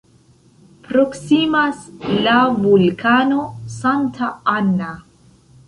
Proksimas la vulkano "Santa Ana".